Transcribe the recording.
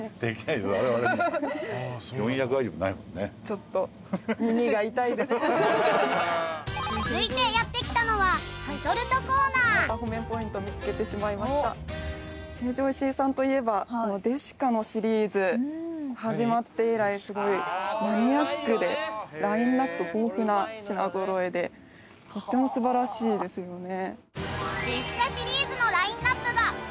ちょっと続いてやってきたのはレトルトコーナーまた褒めポイント見つけてしまいました始まって以来すごいマニアックでラインナップ豊富な品ぞろえでとっても素晴らしいですよね